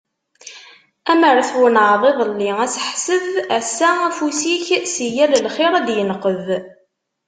Amer twennɛeḍ iḍelli aseḥseb, ass-a afus-ik si yal lxir ad d-yenqeb.